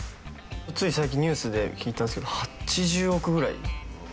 つい最近ニュースで聞いたんですけど８０億ぐらい。